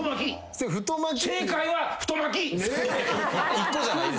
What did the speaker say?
１個じゃないです。